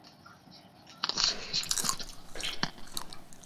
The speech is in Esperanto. Tamen la reformoj neniel fleksebligis la ekonomion aŭ rompis ŝtatmonopolojn.